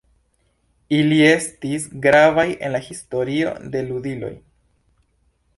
Ili estis gravaj en la historio de ludiloj.